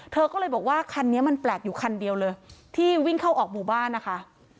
เธอก็เลยบอกว่าคันนี้มันแปลกอยู่คันเดียวเลยที่วิ่งเข้าออกหมู่บ้านนะคะ